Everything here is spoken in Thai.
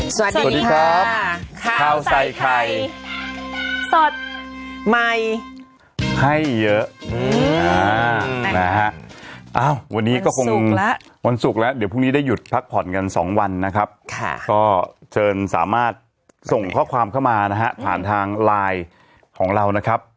สวัสดีครับข้าวใส่ไข่สดใหม่ให้เยอะนะฮะอ้าววันนี้ก็คงวันศุกร์แล้วเดี๋ยวพรุ่งนี้ได้หยุดพักผ่อนกันสองวันนะครับค่ะก็เชิญสามารถส่งข้อความเข้ามานะฮะผ่านทางไลน์ของเรานะครับ